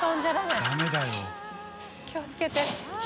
気をつけて。